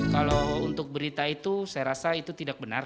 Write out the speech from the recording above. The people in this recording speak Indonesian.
kalau untuk berita itu saya rasa itu tidak benar